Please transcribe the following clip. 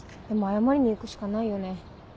でも謝りに行くしかないよね